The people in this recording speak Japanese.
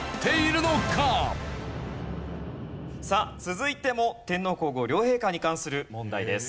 さあ続いても天皇皇后両陛下に関する問題です。